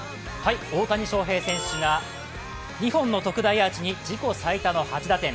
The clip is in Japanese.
大谷翔平選手が２本の特大アーチに自己最多の８打点。